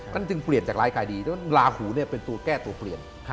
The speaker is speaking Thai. ก็จึงเปลี่ยนจากรายกายดีราหูเนี่ยเป็นตัวแก้ตัวเปลี่ยน